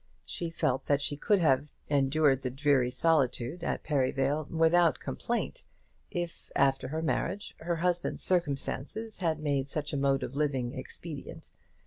She felt that she could have endured the dreary solitude at Perivale without complaint, if, after her marriage, her husband's circumstances had made such a mode of living expedient.